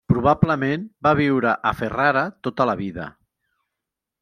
Probablement va viure a Ferrara tota la vida.